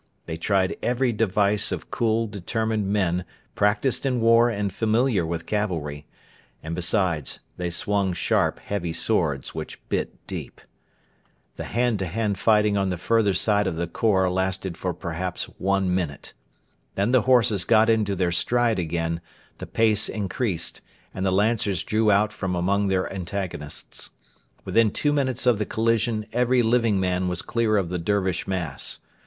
They tried every device of cool, determined men practised in war and familiar with cavalry; and, besides, they swung sharp, heavy swords which bit deep. The hand to hand fighting on the further side of the khor lasted for perhaps one minute. Then the horses got into their stride again, the pace increased, and the Lancers drew out from among their antagonists. Within two minutes of the collision every living man was clear of the Dervish mass.